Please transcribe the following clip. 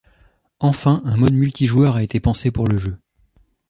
Enfin, un mode multijoueur a été pensé pour le jeu.